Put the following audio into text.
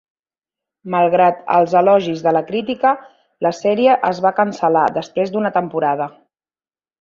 Malgrat els elogis de la crítica, la sèrie es va cancel·lar després d'una temporada.